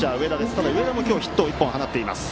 ただ、上田も今日はヒットを１本放っています。